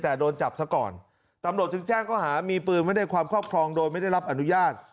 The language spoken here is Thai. แต่โดนจับซะก่อนตำรวจจึงแจ้งเขาหามีปืนไว้ในความครอบครองโดยไม่ได้รับอนุญาต